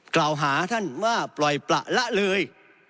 กล่าวหาต้นว่าปล่อยประมาแลนด์เลย